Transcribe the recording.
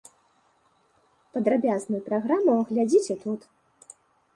Падрабязную праграму глядзіце тут.